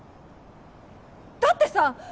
だってさ